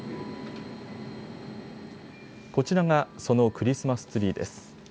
こちらが、そのクリスマスツリーです。